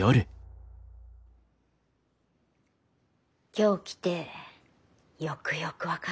今日来てよくよく分かったよ。